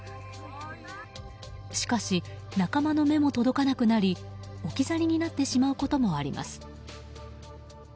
しかし仲間の目も届かなくなり置き去りになってしまうこともあります。